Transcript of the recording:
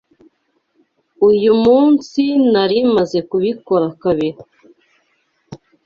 Uyu munsi nari maze kubikora kabiri.